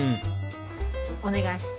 お願いして。